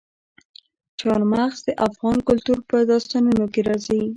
چار مغز د افغان کلتور په داستانونو کې راځي.